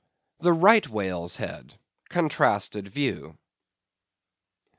The Right Whale's Head—Contrasted View.